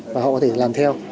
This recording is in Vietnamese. và họ có thể làm theo